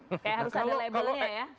oke harus ada labelnya ya